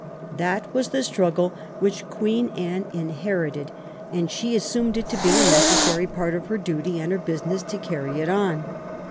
That w^as the struggle which Queen Anne inherited, and she assumed it to be a necessary part of her duty and her business to carry it on.